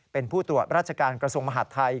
เป็นผู้ตรวจราชการกระทรวงมหาดไทย